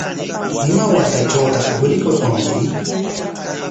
¿Ima watatrawtaq yurirqanki?